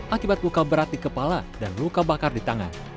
akibat luka berat di kepala dan luka bakar di tangan